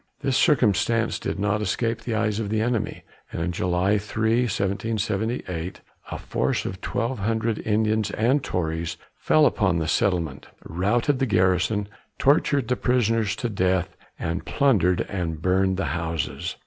This circumstance did not escape the eyes of the enemy, and on July 3, 1778, a force of twelve hundred Indians and Tories fell upon the settlement, routed the garrison, tortured the prisoners to death, and plundered and burned the houses.